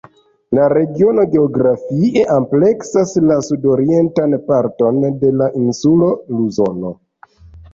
La regiono geografie ampleksas la sudorientan parton de la insulo Luzono.